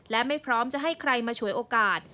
และไม่พร้อมจะให้ใครมาฉวยโอกาส